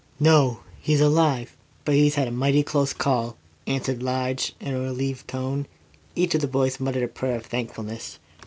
"No. He's alive, but he's had a mighty close call," answered Lige in a relieved tone, and each of the boys muttered a prayer of thankfulness.